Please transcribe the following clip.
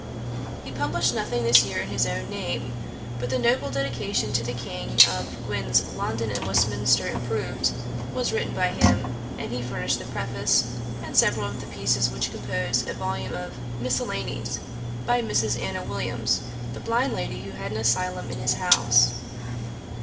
He published nothing this year in his own name; but the noble dedication[*] to the King, of Gwyn's London and Westminster Improved, was written by him; and he furnished the Preface,[Dagger] and several of the pieces, which compose a volume of Miscellanies by Mrs. Anna Williams, the blind lady who had an asylum in his house.